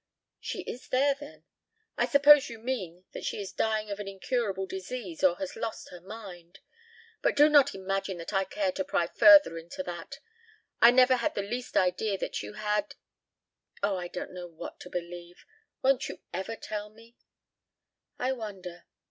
"She is there then? I suppose you mean that she is dying of an incurable disease or has lost her mind. But do not imagine that I care to pry further into that. I never had the least idea that you had Oh, I don't know what to believe! ... Won't you ever tell me?" "I wonder!